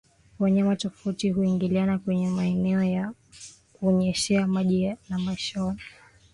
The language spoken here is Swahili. Wanyama tofauti huingiliana kwenye maeneo ya kunyweshea maji na malishoni